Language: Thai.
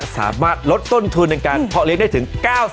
สามารถลดต้นทุนในการเพาะเลี้ยได้ถึง๙๐